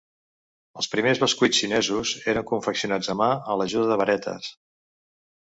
Els primers bescuits xinesos eren confeccionats a mà a l'ajuda de varetes.